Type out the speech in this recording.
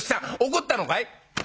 怒ったのかい？」。